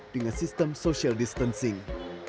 dengan sistem social distancing